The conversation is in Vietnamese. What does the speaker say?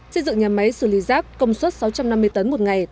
xây dựng nhà máy xử lý rác công suất sáu trăm năm mươi tấn một ngày